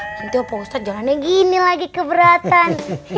nanti pak ustadz jalannya gini lagi keberatan